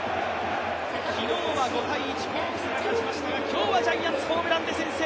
昨日は５−１、ホークスが勝ちましたが今日はジャイアンツホームランで先制